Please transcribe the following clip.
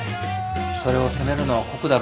それを責めるのは酷だろうね。